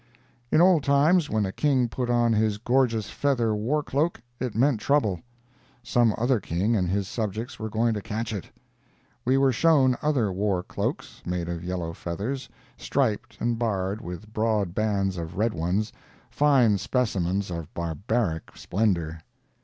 In old times, when a king put on his gorgeous feather war cloak, it meant trouble; some other king and his subjects were going to catch it. We were shown other war cloaks, made of yellow feathers, striped and barred with broad bands of red ones—fine specimens of barbaric splendor.